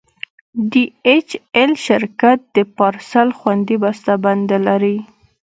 ډي ایچ ایل شرکت د پارسل خوندي بسته بندي لري.